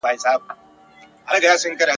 مړ وجود مي پر میدان وو دړي وړي !.